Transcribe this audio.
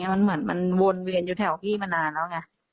มันเหมือนมันวนเวียนอยู่แถวพี่มานานแล้วไง